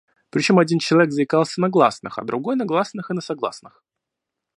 Причём один человек заикался на гласных, а другой на гласных и на согласных.